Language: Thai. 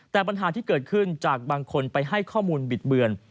แต่ปัญหาที่เกิดขึ้นจากบางคนไปให้ข้อมูลบิดเบือน